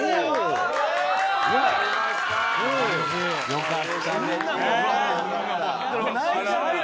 よかった。